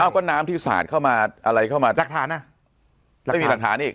ก็น้ำที่สาดเข้ามาอะไรเข้ามาหลักฐานอ่ะแล้วก็มีหลักฐานอีก